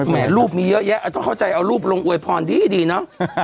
รูปมีเยอะแยะต้องเข้าใจเอารูปลงอวยพรดีให้ดีเนอะ